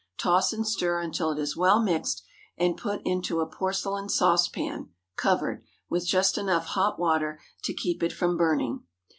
Toss and stir until it is well mixed, and put into a porcelain saucepan (covered), with just enough hot water to keep it from burning.